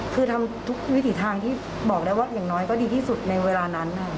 คือทำทุกวิถีทางที่บอกได้ว่าอย่างน้อยก็ดีที่สุดในเวลานั้น